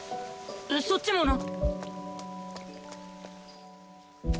そっちもな。